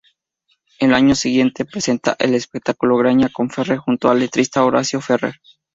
Al año siguiente presenta el espectáculo "Graña con Ferrer" junto al letrista Horacio Ferrer.